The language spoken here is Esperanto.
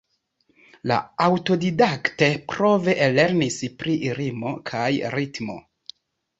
Li aŭtodidakte-prove lernis pri rimo kaj ritmo.